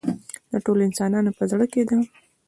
د ټولو انسانانو په زړه کې ده.